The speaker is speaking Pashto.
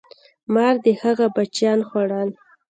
مار د هغه بچیان خوړل.